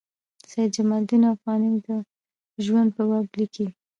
د سید جمال الدین افغاني د ژوند په باب لیکي.